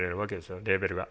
レーベルが。